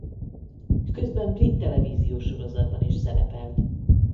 Közben brit televíziós sorozatban is szerepelt.